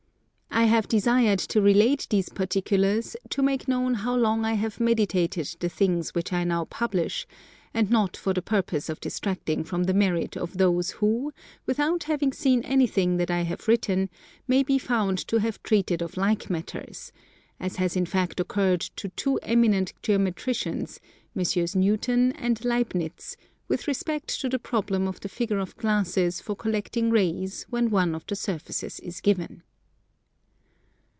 I have desired to relate these particulars to make known how long I have meditated the things which now I publish, and not for the purpose of detracting from the merit of those who, without having seen anything that I have written, may be found to have treated of like matters: as has in fact occurred to two eminent Geometricians, Messieurs Newton and Leibnitz, with respect to the Problem of the figure of glasses for collecting rays when one of the surfaces is given.